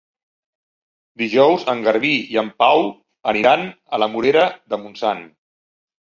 Dijous en Garbí i en Pau aniran a la Morera de Montsant.